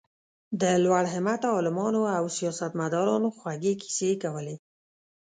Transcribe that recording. د لوړ همته عالمانو او سیاست مدارانو خوږې کیسې یې کولې.